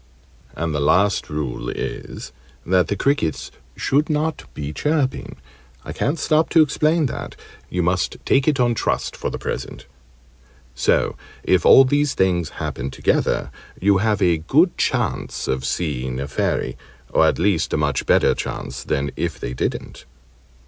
And the last rule is, that the crickets should not be chirping. I can't stop to explain that: you must take it on trust for the present. So, if all these things happen together, you have a good chance of seeing a Fairy or at least a much better chance than if they didn't.